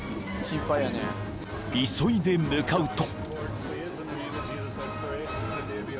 ［急いで向かうと］